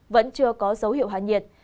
vẫn chưa có dấu hiệu hạ nhiệt